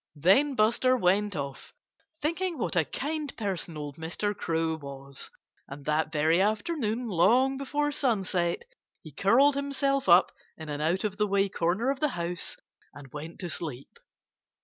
Then Buster went off, thinking what a kind person old Mr. Crow was. And that very afternoon, long before sunset, he curled himself up in an out of the way corner of the house and went to sleep.